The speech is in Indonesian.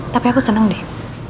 tapi aku seneng deh